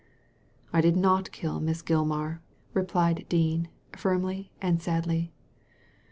" I did not kill Miss Gilmar," replied Dean, firmly and sadly.